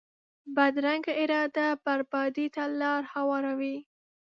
بدرنګه اراده بربادي ته لار هواروي